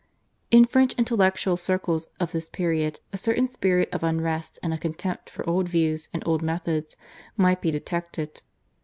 In French intellectual circles of this period a certain spirit of unrest and a contempt for old views and old methods might be detected.